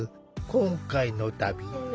今回の旅。